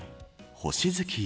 星月夜。